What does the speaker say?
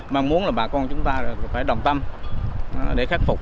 mong muốn là bà con chúng ta phải đồng tâm để khắc phục